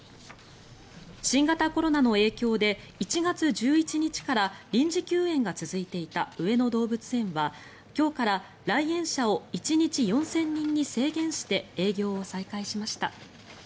新型コロナの影響で１月１１日から臨時休園が続いていた上野動物園は今日から来園者を１日４０００人に制限して営業を再開しました。